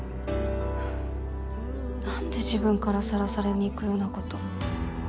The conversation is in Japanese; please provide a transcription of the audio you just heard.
何で自分からさらされにいくようなこと。